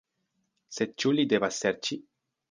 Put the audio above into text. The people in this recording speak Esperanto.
Sed ĉu li devas serĉi?